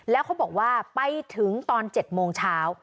แล้วเขาบอกว่าไปถึงตอน๗โมงเช้า